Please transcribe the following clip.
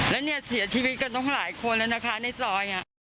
แล้วเนี่ยเสียชีวิตกันต้องหลายคนแล้วนะคะในซอย